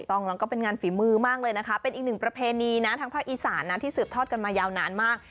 ต้องแล้วก็เป็นงานฝีมือมากเลยนะคะเป็นอีกหนึ่งประเพณีนะทางภาคอีสานนะที่สืบทอดกันมายาวนานมาก